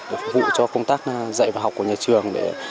để phục vụ cho công tác dạy và học của nhà trường